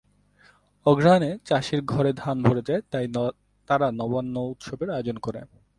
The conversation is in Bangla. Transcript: অঘ্রাণে চাষির ঘরে ধান ভরে যায় তাই তারা নবান্ন উৎসবের আয়ােজন করে।